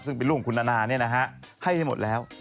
ซึ่งเป็นลูกของคุณนานาให้หมดแล้ว